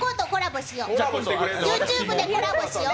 ＹｏｕＴｕｂｅでコラボしよう。